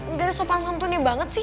nggak ada sopan santunnya banget sih